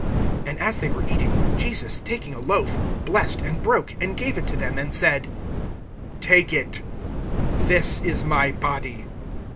(22)And as they were eating, Jesus, taking a loaf, blessed, and broke, and gave it to them, and said: Take it; this is my body.